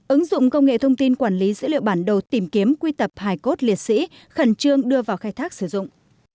ứng dụng công nghệ thông tin quản lý dữ liệu bản đồ tìm kiếm quy tập hài cốt liệt sĩ khẩn trương đưa vào khai thác sử dụng